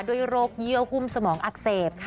โรคเยื่อหุ้มสมองอักเสบค่ะ